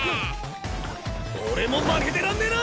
俺も負けてらんねぇな！